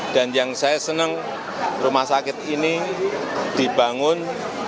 dan yang saya senang rumah sakit ini dibangun